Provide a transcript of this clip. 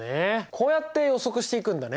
こうやって予測していくんだね。